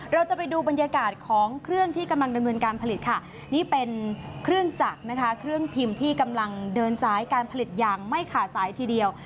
เราจะไปดูบรรยากาศของเครื่องที่กำลังดำเนินการผลิตค่ะนี่เป็นเครื่องจักรนะคะเครื่องพิมพ์ที่กำลังเดินสายการผลิตอย่างไม่ขาดสายทีเดียว